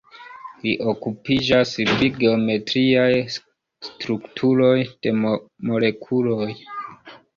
Li okupiĝas pri geometriaj strukturoj de molekuloj.